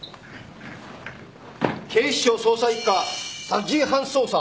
警視庁捜査一課殺人犯捜査